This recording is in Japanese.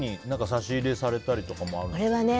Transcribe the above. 差し入れされたりとかもあるんですか？